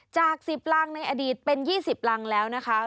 จาก๑๐รังในอดีตเป็น๒๐รังแล้วนะคะ